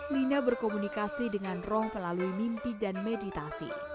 lina berkomunikasi dengan roh melalui mimpi dan meditasi